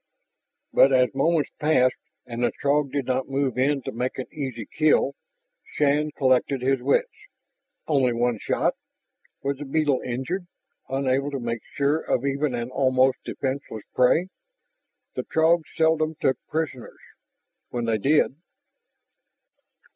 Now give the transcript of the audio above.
But as moments passed and the Throg did not move in to make an easy kill, Shann collected his wits. Only one shot! Was the beetle injured, unable to make sure of even an almost defenseless prey? The Throgs seldom took prisoners. When they did....